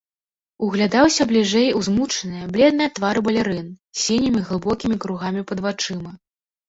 Углядаўся бліжэй у змучаныя, бледныя твары балерын, з сінімі глыбокімі кругамі пад вачыма.